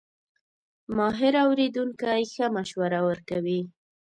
ماهر اورېدونکی ښه مشوره ورکوي.